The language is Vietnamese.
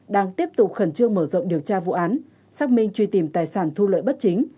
đang tiếp tục khẩn trương mở rộng điều tra vụ án xác minh truy tìm tài sản thu lợi bất chính